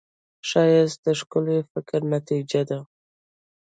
ښایست د ښکلي فکر نتیجه ده